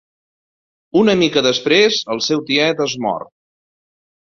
Una mica després el seu tiet es mor.